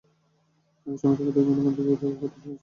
একই সময়ে ঢাকা থেকে বিভিন্ন গন্তব্যে যাওয়ার কথা ছিল চারটি ফ্লাইট।